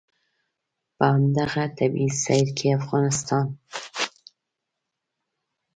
په همدغه طبعي سیر کې افغانستان.